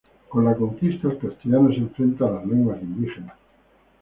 Con la conquista, el castellano se enfrenta a las lenguas indígenas.